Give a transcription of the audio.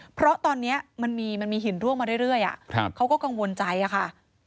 เพราะตอนนี้มันมีหินร่วงมาเรื่อยเขาก็กังวลใจอะค่ะ